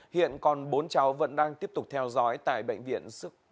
hiện còn bốn cháu vẫn đang tiếp tục theo dõi tại bệnh viện ba